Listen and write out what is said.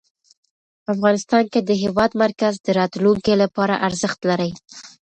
افغانستان کې د هېواد مرکز د راتلونکي لپاره ارزښت لري.